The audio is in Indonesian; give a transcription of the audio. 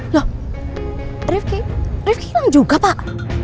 loh rivki rivki hilang juga pak